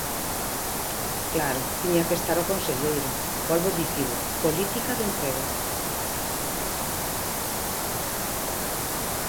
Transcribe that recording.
Claro, tiña que estar o conselleiro; volvo dicilo: política de emprego.